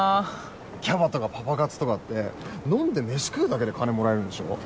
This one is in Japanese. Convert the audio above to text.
キャバとかパパ活とかって飲んで飯食うだけで金もらえるんでしょ？。